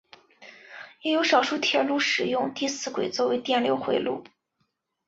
也有少数铁路使用第四轨作为电流回路。